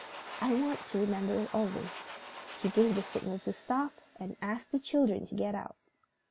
I want to remember it always." She gave the signal to stop, and asked the children to get out.